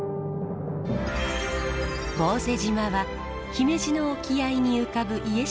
坊勢島は姫路の沖合に浮かぶ家島諸島の一つ。